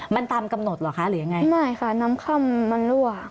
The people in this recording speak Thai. มันตามกำหนดหรืออย่างไรไม่ค่ะน้ำค่ำมันรั่ว